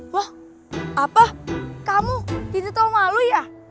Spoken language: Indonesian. wah apa kamu gitu tahu malu ya